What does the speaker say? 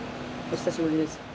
お久しぶりです。